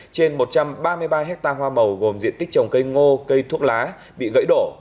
trên một trăm ba mươi ba hectare hoa màu gồm diện tích trồng cây ngô cây thuốc lá bị gãy đổ